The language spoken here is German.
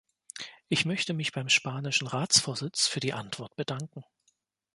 Ich möchte mich beim spanischen Ratsvorsitz für die Antwort bedanken.